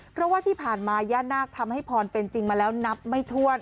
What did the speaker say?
เพราะว่าที่ผ่านมาย่านาคทำให้พรเป็นจริงมาแล้วนับไม่ถ้วน